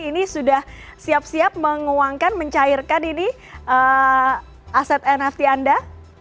ini sudah siap siap menguangkan mencairkan ini aset nft anda